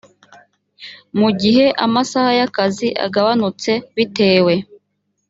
mu gihe amasaha y akazi agabanutse bitewe